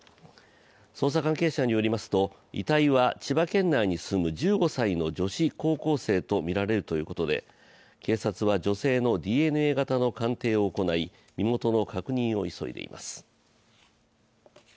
捜査関係者によりますと遺体は千葉県内に住む１５歳の女子高校生とみられるということで警察は女性のＤＮＡ型の鑑定を行い身元の確認を急いでいます。